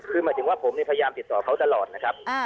คือหมายถึงว่าผมพยายามติดต่อเขาตลอดนะครับ